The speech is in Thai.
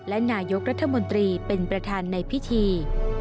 และนายกรัฐมนตรีเป็นประธานในพิธี